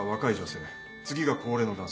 次が高齢の男性。